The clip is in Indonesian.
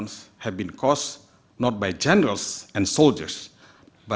tidak terjadi oleh jenderal dan tentera